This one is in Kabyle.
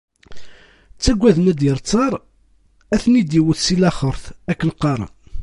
Ttaggaden ad d-yerr ttar, ad ten-id-iwwet si laxart akken qqaren.